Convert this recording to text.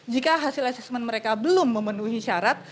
jika hasil asesmen mereka belum memenuhi syarat